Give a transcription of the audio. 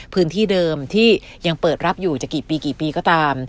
พื้นที่เดิมที่ยังเปิดรับอยู่จะกี่ปีกี่ปีก็ตาม